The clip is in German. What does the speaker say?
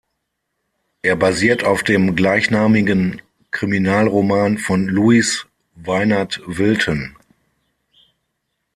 Er basiert auf dem gleichnamigen Kriminalroman von Louis Weinert-Wilton.